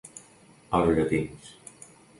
Els llatins.